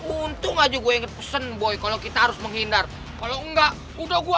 untung aja gua inget pesen boy kalau kita harus menghindar kalau enggak udah gua